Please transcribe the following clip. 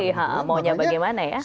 teman teman di gokar sendiri